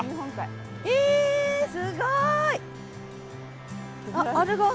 えすごい！